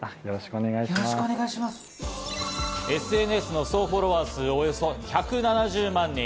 ＳＮＳの総フォロワー数およそ１７０万人。